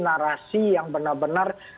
narasi yang benar benar